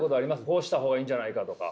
こうした方がいいんじゃないかとか。